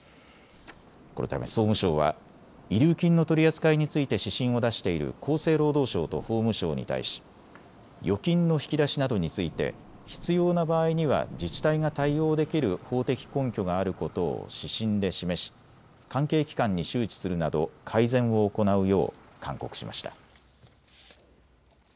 このため総務省は遺留金の取り扱いについて指針を出している厚生労働省と法務省に対し預金の引き出しなどについて必要な場合には自治体が対応できる法的根拠があることを指針で示し関係機関に周知するなど改善を行うよう勧告しました。